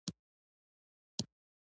د ټرانسپورتي لګښتونه یې کمول.